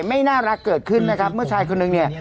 ไม่น่ารักเกิดขึ้นนะครับเมื่อชายคนนึงเนี่ย